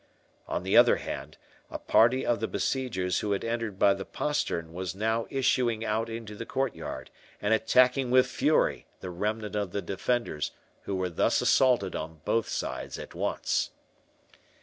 On the other hand, a party of the besiegers who had entered by the postern were now issuing out into the court yard, and attacking with fury the remnant of the defenders who were thus assaulted on both sides at once.